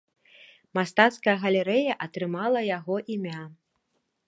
Мастацкая галерэя атрымала яго імя.